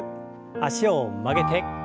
脚を曲げて。